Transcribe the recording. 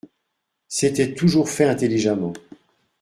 c’était toujours fait intelligemment.